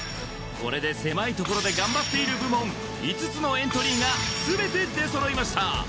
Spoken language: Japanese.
これで狭い所でがんばっている部門５つのエントリーが全て出揃いました